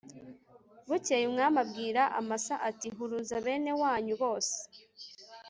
bukeye umwami abwira amasa ati “huruza beneewnyu bose